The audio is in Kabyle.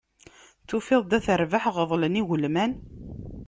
Tufiḍ-d at rbaḥ ɣeḍlen igelman.